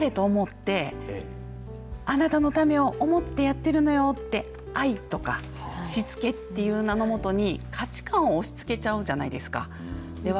大人ってよかれと思ってあなたのためを思ってやってるのよって愛とか、しつけという名のもとに価値観を押し付けちゃうじゃないですか。